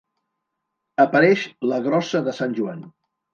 Apareix La Grossa de Sant Joan.